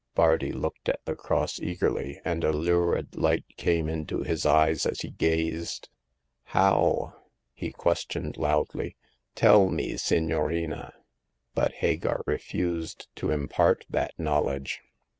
Bardi looked at the cross eagerly, and a lurid light came into his eyes as he gazed. " How ?" he questioned, loudly. " Tell me, signorina." But Hagar refused to impart that knowledge.